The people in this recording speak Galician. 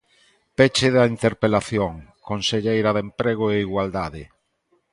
Peche da interpelación, conselleira de Emprego e Igualdade.